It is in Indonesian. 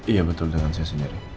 iya betul dengan saya sendiri